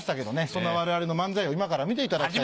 そんな我々の漫才を今から見ていただきたいと。